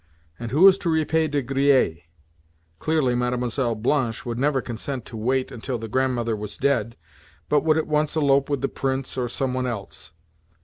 And who is to repay De Griers? Clearly Mlle. Blanche would never consent to wait until the Grandmother was dead, but would at once elope with the Prince or someone else.